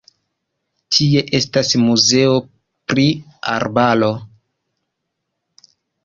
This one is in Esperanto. Tie estas muzeo pri arbaro.